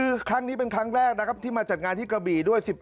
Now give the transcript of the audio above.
วันทั้งแรกนะครับที่มาจัดงานที่กระบีด้วย